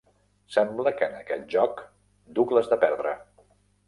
Sembla que en aquest joc duc les de perdre.